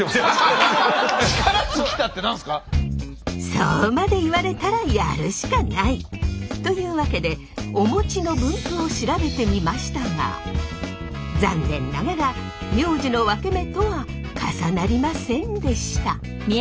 そうまで言われたらやるしかない！というわけでお餅の分布を調べてみましたが残念ながら名字のワケメとは重なりませんでした。